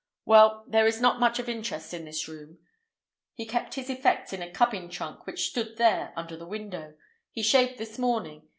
Well, there is not much of interest in this room. He kept his effects in a cabin trunk which stood there under the window. He shaved this morning.